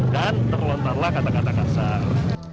dan terlontarlah kata kata kasar